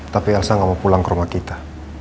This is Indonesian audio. tapi elsa gak mau pulang ke rumah kita